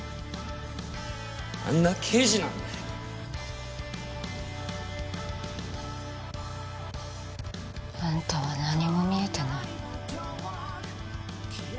あんな刑事なんだよあんたは何も見えてない